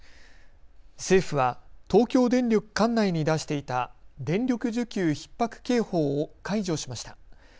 政府は東京電力管内に出していた電力需給ひっ迫警報を解除しました。